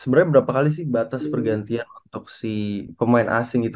sebenarnya berapa kali sih batas pergantian untuk si pemain asing itu